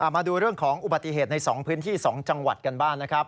มาดูเรื่องของอุบัติเหตุใน๒พื้นที่๒จังหวัดกันบ้างนะครับ